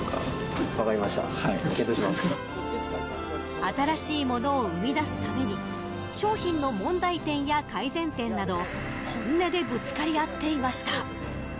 新しいものを生み出すために商品の問題点や改善点など本音でぶつかり合っていました。